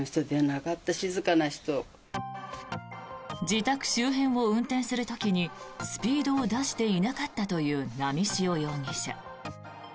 自宅周辺を運転する時にスピードを出していなかったという波汐容疑者。